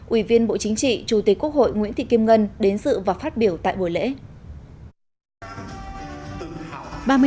ủy viên bộ chính trị chủ tịch quốc hội nguyễn thị kim ngân đến sự và phát biểu tại buổi lễ